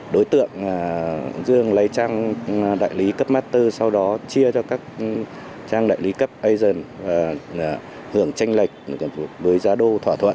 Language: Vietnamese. đối tượng dương lấy trang đại lý cấp master sau đó chia cho các trang đại lý cấp asian hưởng tranh lệch với giá đô thỏa thuận